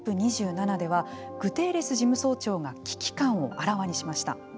ＣＯＰ２７ではグテーレス事務総長が危機感をあらわにしました。